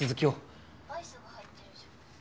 「アイスが入ってるじゃん」